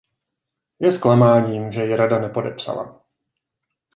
Je zklamáním, že ji Rada nepodepsala.